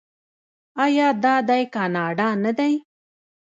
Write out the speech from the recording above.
آیا دا دی کاناډا نه دی؟